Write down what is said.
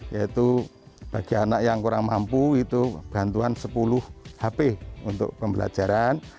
yaitu bagi anak yang kurang mampu itu bantuan sepuluh hp untuk pembelajaran